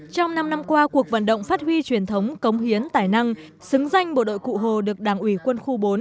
trong năm năm qua cuộc vận động phát huy truyền thống cống hiến tài năng xứng danh bộ đội cụ hồ được đảng ủy quân khu bốn